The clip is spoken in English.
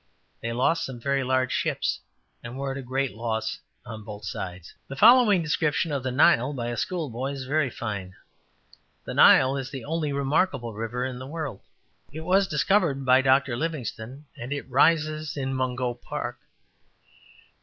They lost some very large ships, and were at a great loss on both sides.'' The following description of the Nile by a schoolboy is very fine: ``The Nile is the only remarkable river in the world. It was discovered by Dr. Livingstone, and it rises in Mungo Park.''